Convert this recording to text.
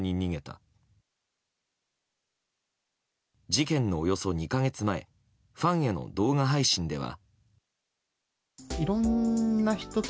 事件のおよそ２か月前ファンへの動画配信では。